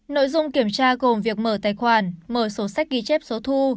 nội dung kiểm tra gồm việc mở tài khoản mở sổ sách ghi chép số thu